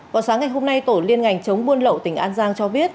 vào sáng ngày hôm nay tổ liên ngành chống buôn lậu tỉnh an giang cho biết